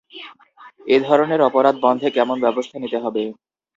এ ধরনের অপরাধ বন্ধে কেমন ব্যবস্থা নিতে হবে?